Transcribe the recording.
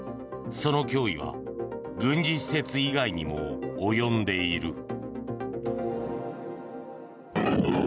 その脅威は軍事施設以外にも及んでいる。